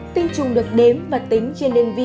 tinh trùng được đếm và tính trên nền vị